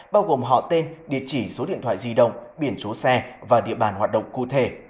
bao gồm họ tên địa chỉ số điện thoại di động biển số xe và địa bàn hoạt động cụ thể